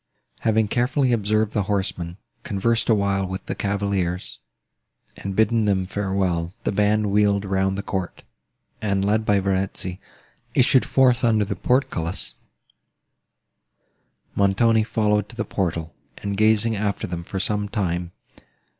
Having carefully observed the horsemen, conversed awhile with the cavaliers, and bidden them farewell, the band wheeled round the court, and, led by Verezzi, issued forth under the portcullis; Montoni following to the portal, and gazing after them for some time.